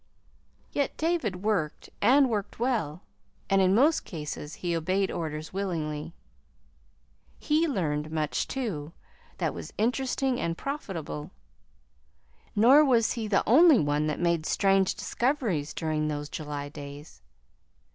Yet David worked, and worked well, and in most cases he obeyed orders willingly. He learned much, too, that was interesting and profitable; nor was he the only one that made strange discoveries during those July days.